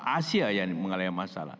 asia yang mengalami masalah